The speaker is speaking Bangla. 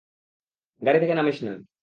গাড়ি থেকে নামিস না।